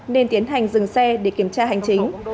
nên tiến hành dừng xe để kiểm tra hành chính